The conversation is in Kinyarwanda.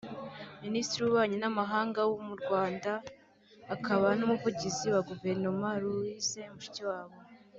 Minisitiri w’ububanyi n’ amahanga w’u Rwanda akaba n’umuvugizi wa guverinoma Louise Mushikiwabo